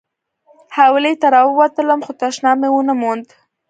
حویلۍ ته راووتلم خو تشناب مې ونه موند.